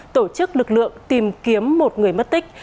tổ chức lực lượng tìm kiếm một người mất tích